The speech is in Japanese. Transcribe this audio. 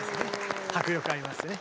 迫力ありますね。